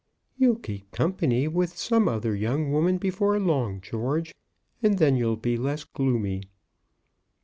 "You'll keep company with some other young woman before long, George, and then you'll be less gloomy."